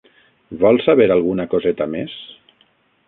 Vol saber alguna coseta més?